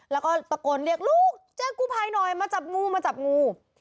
แล้วก็ตะโกนเรียกลูกแจ้งกู้ภัยหน่อยมาจับงูมาจับงู